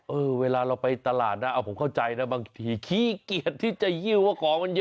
เวลาเราไปตลาดนะเอาผมเข้าใจนะบางทีขี้เกียจที่จะหิ้วว่าของมันเยอะ